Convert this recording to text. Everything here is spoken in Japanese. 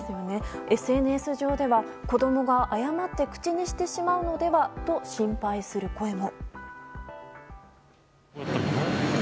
ＳＮＳ上では、子供が誤って口にしてしまうのではと心配する声も。